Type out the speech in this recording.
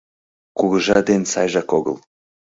Кугыжа ден сайжак огыл;